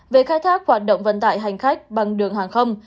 về khai thác hoạt động vận tải hành khách bằng đường hàng không